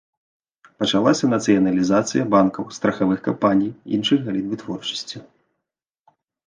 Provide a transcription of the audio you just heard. Пачалася нацыяналізацыя банкаў, страхавых кампаній, іншых галін вытворчасці.